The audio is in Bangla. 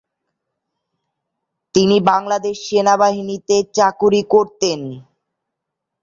তিনি বাংলাদেশ সেনাবাহিনীতে চাকুরী করতেন।